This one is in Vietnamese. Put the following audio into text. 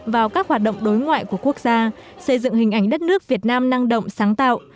vào các hoạt động đối ngoại của quốc gia xây dựng hình ảnh đất nước việt nam năng động sáng tạo